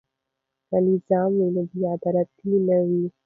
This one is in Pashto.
که نظم وي نو بې عدالتي نه وي.